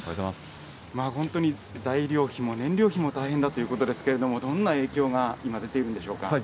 本当に材料費も、燃料費も大変だということですけれども、どんな影響が今、出ているんでしょうか。